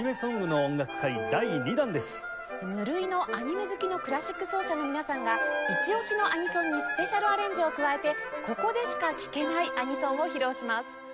無類のアニメ好きのクラシック奏者の皆さんがイチオシのアニソンにスペシャルアレンジを加えてここでしか聴けないアニソンを披露します。